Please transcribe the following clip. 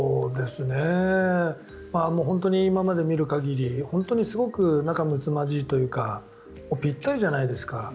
本当に今まで見る限り本当にすごく仲むつまじいというかぴったりじゃないですか。